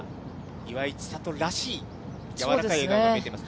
岩井千怜らしい柔らかい笑顔見せています。